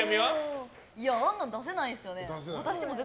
あんなん出せないですよね。